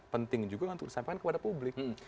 penting juga untuk disampaikan kepada publik